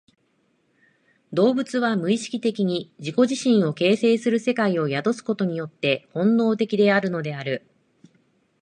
動物は無意識的に自己自身を形成する世界を宿すことによって本能的であるのである。